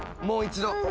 もう一度！